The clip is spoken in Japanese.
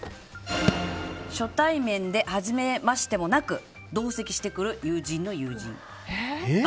初対面ではじめましてもなく同席してくる友人の友人。